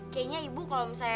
kayaknya ibu kalau misalnya